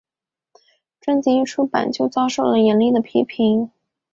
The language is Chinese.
专辑一出版就遭受了严厉的批评。